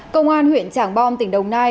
công an huyện trảng bom tỉnh đồng nai